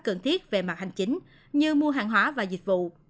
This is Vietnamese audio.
cần thiết về mặt hành chính như mua hàng hóa và dịch vụ